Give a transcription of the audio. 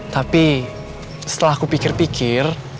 tapi setelah aku pikir pikir